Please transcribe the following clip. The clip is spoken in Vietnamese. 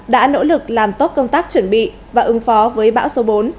cơ quan đã nỗ lực làm tốt công tác chuẩn bị và ứng phó với bão số bốn